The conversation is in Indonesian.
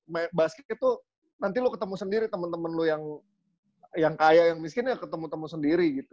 mbak basket itu nanti lo ketemu sendiri temen temen lo yang kaya yang miskin ya ketemu temu sendiri gitu